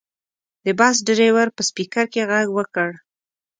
د بس ډریور په سپیکر کې غږ وکړ.